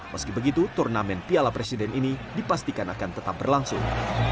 meski begitu turnamen piala presiden ini dipastikan akan tetap berlangsung